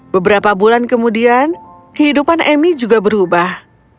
beberapa bulan kemudian kehidupan emi juga berubah